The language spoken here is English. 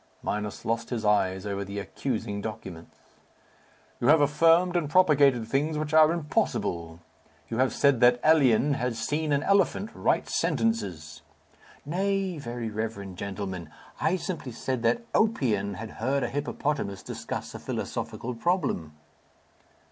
Minos lost his eyes over the accusing documents. "You have affirmed and propagated things which are impossible. You have said that Elien had seen an elephant write sentences." "Nay, very reverend gentleman! I simply said that Oppian had heard a hippopotamus discuss a philosophical problem."